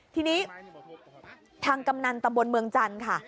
ทีนี้ทางกำนันตำบลเมืองจันทร์ค่ะ